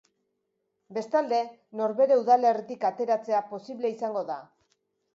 Bestalde, norbere udalerrik ateratzea posible izango da.